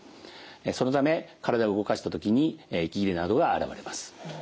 そのため体を動かした時に息切れなどが現れます。